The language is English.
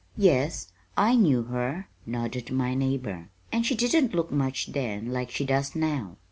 "Yes, I knew her," nodded my neighbor, "and she didn't look much then like she does now.